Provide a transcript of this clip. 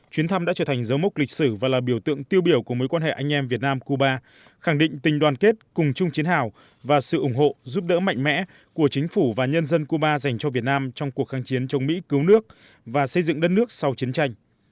chuyến thăm đã trở thành dấu mốc lịch sử và là biểu tượng tiêu biểu của mối quan hệ anh em việt nam cuba khẳng định tình đoàn kết cùng chung chiến hào và sự ủng hộ giúp đỡ mạnh mẽ của chính phủ và nhân dân cuba dành cho việt nam trong cuộc kháng chiến chống mỹ cứu nước và xây dựng đất nước sau chiến tranh